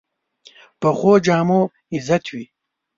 پخو جامو عزت وي